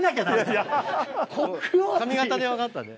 髪形で分かったね。